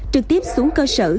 trực tiếp xuống cơ sở